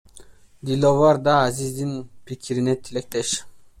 Диловар да Азиздин пикирине тилектеш.